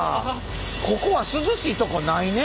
ここは涼しいとこないね。